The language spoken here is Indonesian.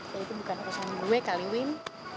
ya itu bukan kesan gue kali win